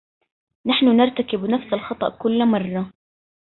نحن نرتكب نفس الخطأ كل مرة.